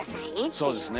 そうですね。